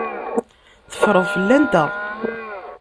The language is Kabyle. Teffreḍ fell-anteɣ.